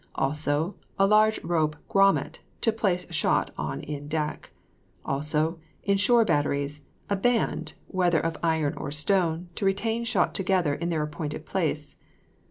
Also, a large rope grommet, to place shot in on deck. Also, in shore batteries, a band, whether of iron or stone, to retain shot together in their appointed place.